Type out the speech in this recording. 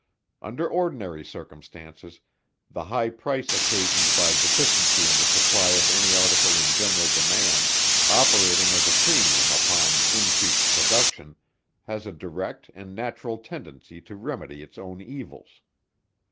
Under ordinary circumstances, the high price occasioned by deficiency in the supply of any article in general demand, operating as a premium upon increased production, has a direct and natural tendency to remedy its own evils.